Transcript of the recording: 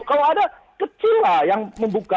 kalau ada kecil lah yang membuka